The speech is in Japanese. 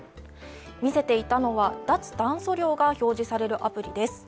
見せていたのは脱炭素量が表示されるアプリです。